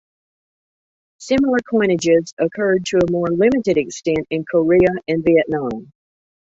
Similar coinages occurred to a more limited extent in Korea and Vietnam.